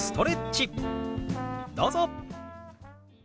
どうぞ。